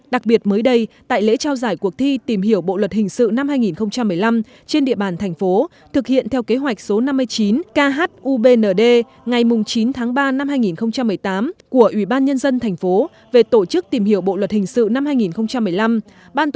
đặc biệt mới đây tại lễ trao giải cuộc thi tìm hiểu bộ luật hình sự năm hai nghìn một mươi năm trên địa bàn thành phố thực hiện theo kế hoạch số năm mươi chín khubnd ngày chín tháng ba năm hai nghìn một mươi tám của ủy ban nhân dân thành phố về tổ chức tìm hiểu bộ luật hình sự năm hai nghìn một mươi năm